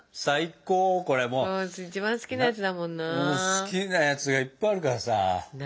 好きなやつがいっぱいあるからさ。